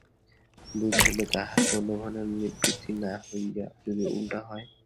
বুঝাইলে তাহার প্রলোভনের নিবৃত্তি না হইয়া যদি উলটা হয়।